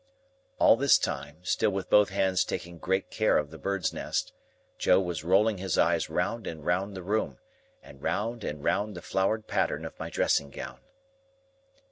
All this time (still with both hands taking great care of the bird's nest), Joe was rolling his eyes round and round the room, and round and round the flowered pattern of my dressing gown.